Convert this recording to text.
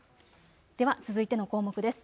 では続いての項目です。